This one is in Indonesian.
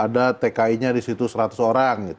ada tki nya di situ seratus orang